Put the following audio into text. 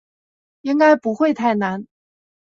应该不会太难